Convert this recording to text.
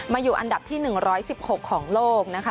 อยู่อันดับที่๑๑๖ของโลกนะคะ